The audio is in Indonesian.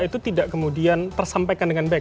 itu tidak kemudian tersampaikan dengan baik